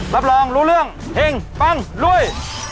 รับรองรู้เรื่องถิ่งปั้งลุย